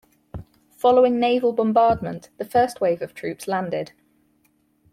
Following naval bombardment, the first wave of troops landed.